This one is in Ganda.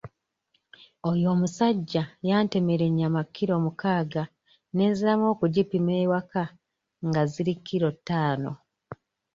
Oyo omusajja yantemera ennyama kiro mukaaga ne nziramu okugipima ewaka nga ziri kiro ttaano.